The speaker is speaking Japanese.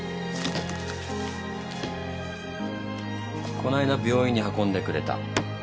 こないだ病院に運んでくれた。